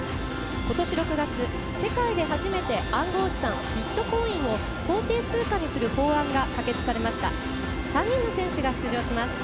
ことし６月、世界で初めて暗号資産ビットコインを法定通貨にする法案が可決されました。